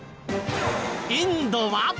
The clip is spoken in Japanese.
インドは。